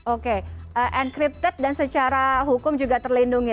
oke encrypted dan secara hukum juga terlindungi